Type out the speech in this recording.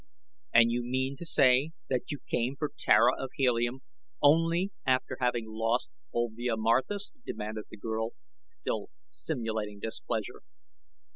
"And you mean to say that you came for Tara of Helium only after having lost Olvia Marthis?" demanded the girl, still simulating displeasure.